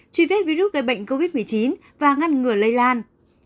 truy vết virus gây bệnh covid một mươi chín và ngăn ngừa lây lan